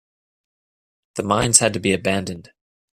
The mines had to be abandoned.